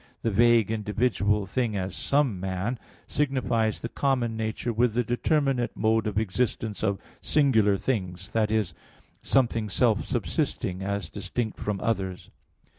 The vague individual thing, as "some man," signifies the common nature with the determinate mode of existence of singular things that is, something self subsisting, as distinct from others.